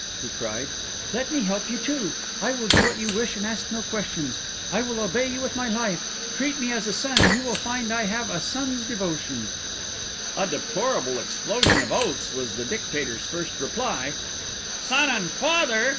he cried. "Let me too help you. I will do what you wish and ask no questions; I will obey you with my life; treat me as a son, and you will find I have a son's devotion." A deplorable explosion of oaths was the Dictator's first reply. "Son and father?"